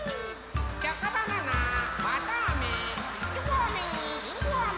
チョコバナナわたあめいちごあめにりんごあめ。